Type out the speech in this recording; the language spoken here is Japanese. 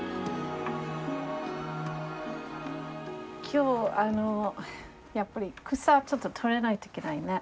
今日やっぱり草ちょっと取らないといけないね。